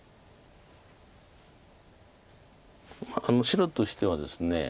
白としてはですね